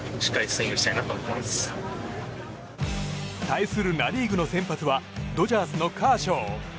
対するナ・リーグの先発はドジャースのカーショー。